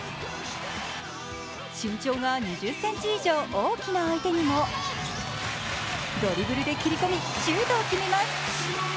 身長が２０ｃｍ以上大きな相手にもドリブルで切り込みシュートを決めます。